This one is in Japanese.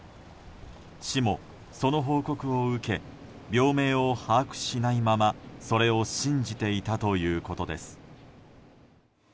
市も、その報告を受け病名を把握しないままそれを信じていたということです。